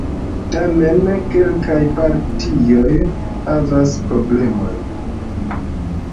Tamen kelkaj partioj havas problemojn.